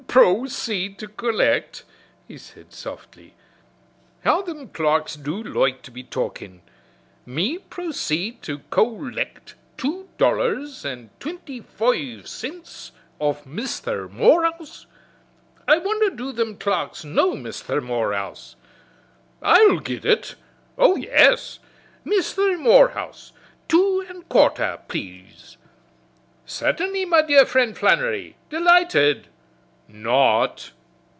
"Proceed to collect," he said softly. "How thim clerks do loike to be talkin'! Me proceed to collect two dollars and twinty foive cints off Misther Morehouse! I wonder do thim clerks know Misther Morehouse? I'll git it! Oh, yes! 'Misther Morehouse, two an' a quarter, plaze.' 'Cert'nly, me dear frind Flannery. Delighted!' Not!"